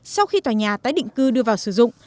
sau khi tòa nhà tái định cư đưa vào sử dụng